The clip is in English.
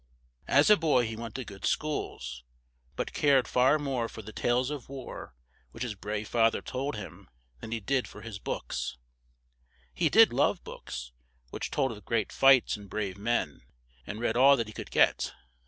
As a boy he went to good schools, but cared far more for the tales of war which his brave fa ther told him than he did for his books; he did love books which told of great fights and brave men, and read all that he could get.